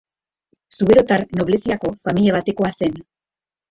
Zuberotar nobleziako familia batekoa zen.